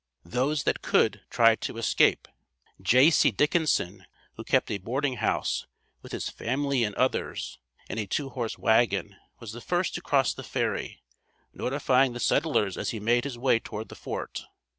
Those that could, tried to escape. J. C. Dickinson, who kept a boarding house, with his family and others, in a two horse wagon, was the first to cross the ferry, notifying the settlers as he made his way toward the fort.